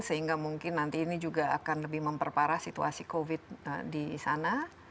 sehingga mungkin nanti ini juga akan lebih memperparah situasi covid di sana